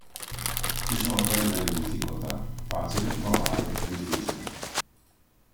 Ci sono tre livelli di difficoltà: facile, normale e difficile.